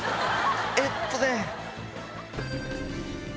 えっとね。